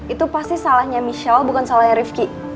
itu pasti salahnya michelle bukan salahnya rifki